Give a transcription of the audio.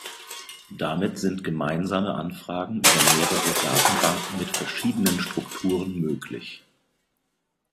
Damit sind gemeinsame Anfragen über mehrere Datenbanken mit verschiedenen Strukturen möglich.